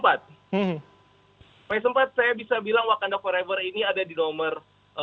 phase empat saya bisa bilang wakanda forever ini ada di nomor dua